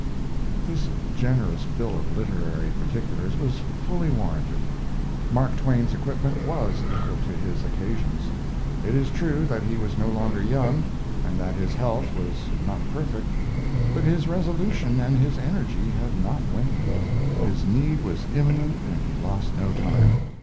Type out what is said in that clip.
This generous bill of literary particulars was fully warranted. Mark Twain's equipment was equal to his occasions. It is true that he was no longer young, and that his health was not perfect, but his resolution and his energy had not waned. His need was imminent and he lost no time.